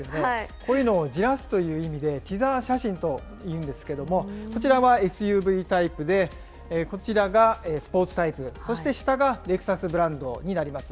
こういうのをじらすという意味で、ティザー写真というんですけれども、こちらはＳＵＶタイプで、こちらがスポーツタイプ、そして下がレクサスブランドになります。